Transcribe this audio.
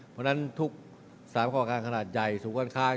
เพราะฉะนั้นทุก๓ข้ออาชารณ์ขนาดใหญ่สูงค้นค้าย